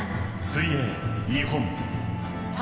「水泳日本」。